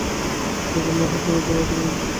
এইবার নাহয় শুরু করা থেকেই বিরত থাকা যাক।